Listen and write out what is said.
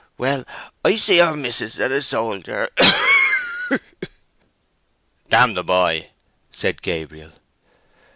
"Well, I see our mis'ess and a soldier—a ha a wk!" "Damn the boy!" said Gabriel.